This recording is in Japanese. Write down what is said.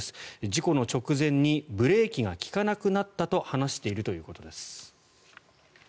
事故の直前にブレーキが利かなくなったと話しているということです。